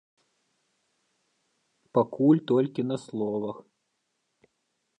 Пакуль толькі на словах.